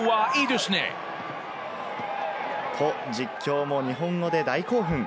実況も日本語で大興奮！